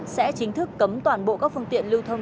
sẽ chính thức cấm toàn bộ các phương tiện lưu thông